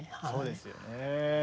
そうですよね。